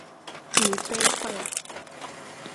Dii feyi faya.